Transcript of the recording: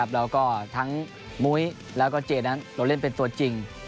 แล้วก็ทั้งมุ้ยแล้วก็เจนั้นลงเล่นเป็นตัวจริง